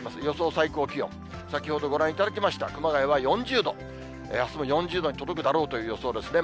先ほどご覧いただきました熊谷は４０度、あすも４０度に届くだろうという予想ですね。